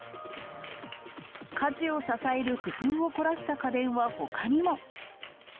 家事を支える工夫を凝らした家電は、ほかにも。